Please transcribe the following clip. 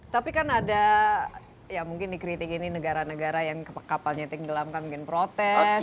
tapi kan ada ya mungkin dikritik ini negara negara yang kapalnya tenggelamkan mungkin protes